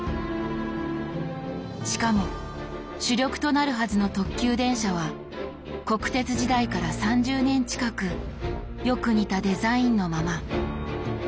しかも主力となるはずの特急電車は国鉄時代から３０年近くよく似たデザインのまま。